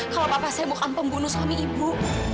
kalau apa apa saya bukan pembunuh suami ibu